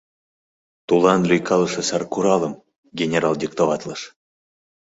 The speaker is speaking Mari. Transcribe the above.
— Тулан лӱйкалыше саркуралым, — генерал диктоватлыш.